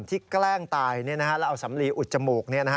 หนุ่มที่แกล้งตายแล้วเอาสำลีอุดจมูก